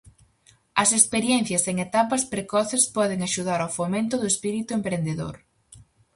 As experiencias en etapas precoces poden axudar ao fomento do espírito emprendedor.